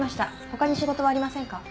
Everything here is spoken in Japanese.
他に仕事はありませんか？